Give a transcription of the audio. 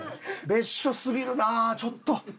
別所すぎるなちょっと。